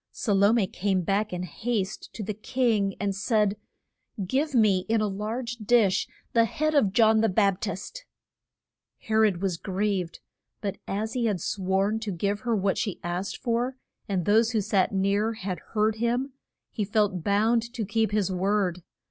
Sa lo me came back in haste to the king, and said, Give me, in a large dish, the head of John the Bap tist. He rod was grieved, but as he had sworn to give her what she asked for, and those who sat near had heard him, he felt bound to keep his word.